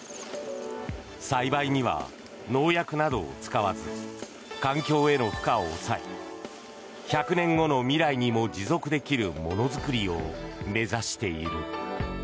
栽培には農薬などを使わず環境への負荷を抑え１００年後の未来にも持続できるものづくりを目指している。